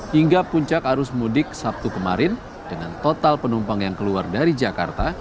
hingga puncak arus mudik sabtu kemarin dengan total penumpang yang keluar dari jakarta